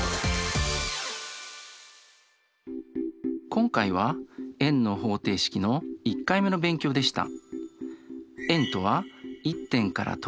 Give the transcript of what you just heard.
今回は円の方程式の１回目の勉強でした。